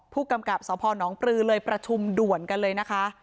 ผู้กำกับสพนปลือเลยประชุมด่วนกันเลยนะคะ